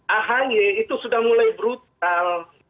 ahy itu sudah mulai brutal